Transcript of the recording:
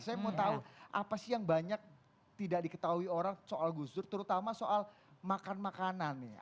saya mau tahu apa sih yang banyak tidak diketahui orang soal gus dur terutama soal makan makanan nih